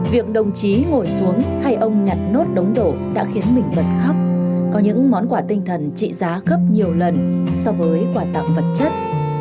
việc đồng chí ngồi xuống hay ông nhặt nốt đống đổ đã khiến mình bật khóc có những món quà tinh thần trị giá gấp nhiều lần so với quả tặng vật chất